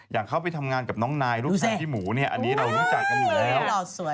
อย่างเขาไปทำงานกับน้องนายรูปแทนที่หมูอันนี้เรารู้จักกันอยู่แล้ว